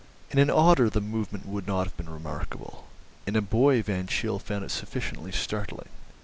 In an otter the movement would not have been remarkable; in a boy Van Cheele found it sufficiently startling.